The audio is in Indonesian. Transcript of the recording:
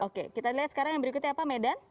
oke kita lihat sekarang yang berikutnya apa medan